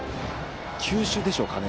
球種でしょうかね？